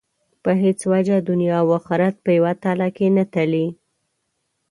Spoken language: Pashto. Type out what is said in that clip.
په هېڅ وجه دنیا او آخرت په یوه تله کې نه تلي.